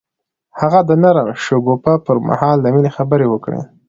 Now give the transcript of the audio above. هغه د نرم شګوفه پر مهال د مینې خبرې وکړې.